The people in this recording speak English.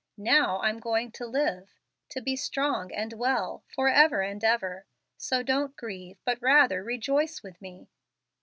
Now I'm going to live to be strong and well, forever and ever. So don't grieve, but rather rejoice with me."